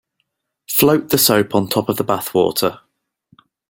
Float the soap on top of the bath water.